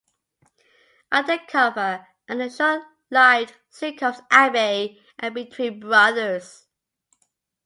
Undercover" and the short-lived sitcoms "Abby" and "Between Brothers".